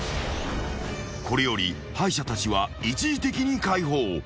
［これより敗者たちは一時的に解放］